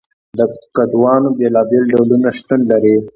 د کدوانو بیلابیل ډولونه شتون لري.